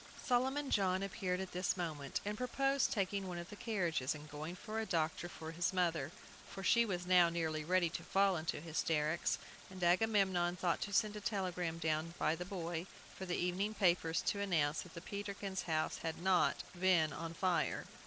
Solomon John appeared at this moment, and proposed taking one of the carriages, and going for a doctor for his mother, for she was now nearly ready to fall into hysterics, and Agamemnon thought to send a telegram down by the boy, for the evening papers, to announce that the Peterkins' house had not been on fire.